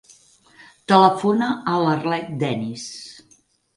Telefona a l'Arlet Deniz.